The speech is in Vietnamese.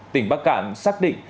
tỉnh bắc cạn xác định